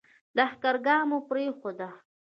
لښکرګاه مو پرېښوده.